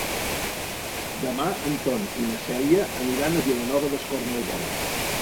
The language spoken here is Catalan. Demà en Ton i na Cèlia aniran a Vilanova d'Escornalbou.